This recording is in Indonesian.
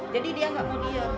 jadi dia gak mau diam